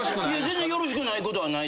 全然よろしくないことはない。